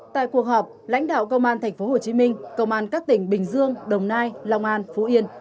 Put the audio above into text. tại cuộc họp lãnh đạo công an thành phố hồ chí minh công an các tỉnh bình dương đồng nai long an phú yên